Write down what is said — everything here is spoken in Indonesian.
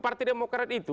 partai demokrat itu